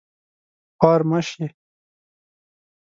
خوار مه شې